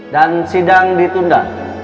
dan sidang ditunda